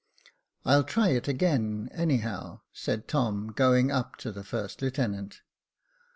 " I'll try it again anyhow," said Tom, going up to the first lieutenant.